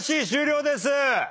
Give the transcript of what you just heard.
終了です。